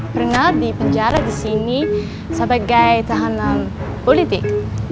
pernah dipenjara disini sebagai tahanan politik